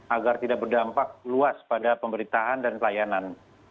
agar tidak berdampak luas pada pemberitaan dan pelayanan